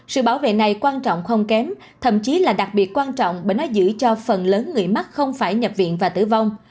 sự bảo vệ này quan trọng không kém thậm chí là đặc biệt quan trọng bởi nó giữ cho phần lớn người mắc không phải nhập viện và tử vong